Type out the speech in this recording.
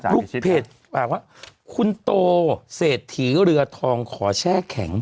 เพจปากว่าคุณโตเศรษฐีเรือทองขอแช่แข็ง